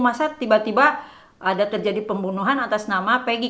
masa tiba tiba ada terjadi pembunuhan atas nama pg